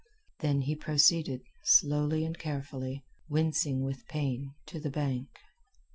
Then he proceeded, slowly and carefully, wincing with pain, to the bank.